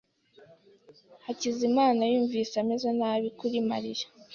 Hakizimana yumvise ameze nabi kuri Mariya.